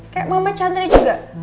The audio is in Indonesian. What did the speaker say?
kayak mama chandra juga